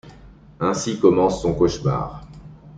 Ainsi commence son cauchemar.